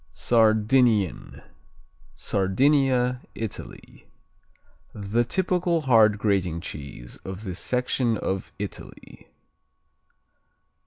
Sardinian Sardinia, Italy The typical hard grating cheese of this section of Italy.